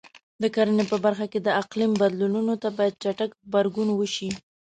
د کرنې په برخه کې د اقلیم بدلونونو ته باید چټک غبرګون وشي.